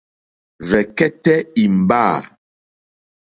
Rzɛ̀kɛ́tɛ́ ìmbâ.